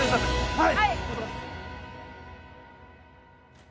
はい！